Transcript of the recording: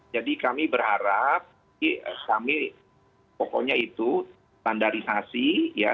jadi kami berharap kami pokoknya itu standarisasi ya